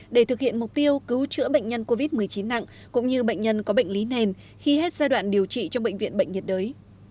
để thực hiện mục tiêu cứu chữa bệnh nhân covid một mươi chín nặng cũng như bệnh nhân có bệnh lý nền khi hết giai đoạn điều trị trong bệnh viện bệnh nhiệt đới